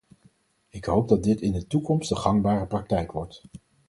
Ik hoop dat dit in de toekomst de gangbare praktijk wordt.